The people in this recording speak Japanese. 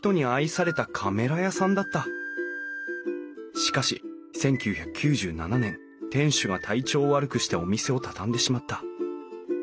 しかし１９９７年店主が体調を悪くしてお店を畳んでしまった。